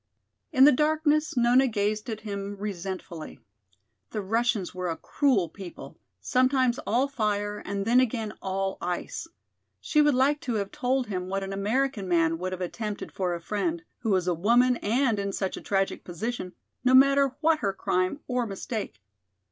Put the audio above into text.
In the darkness Nona gazed at him resentfully. The Russians were a cruel people, sometimes all fire and then again all ice. She would like to have told him what an American man would have attempted for a friend, who was a woman and in such a tragic position, no matter what her crime or mistake.